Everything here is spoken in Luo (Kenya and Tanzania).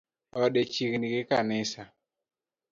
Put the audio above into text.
Ode chiegni gi kanisa